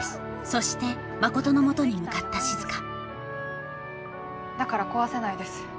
そして真琴のもとに向かった静だから壊せないです